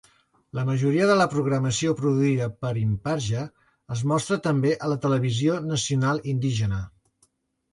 La majoria de la programació produïda per Imparja es mostra també a la televisió nacional indígena.